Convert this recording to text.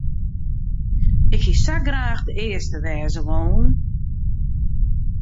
Ik hie sa graach de earste wêze wollen.